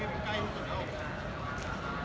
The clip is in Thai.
อันที่สุดท้ายก็คือภาษาอันที่สุดท้าย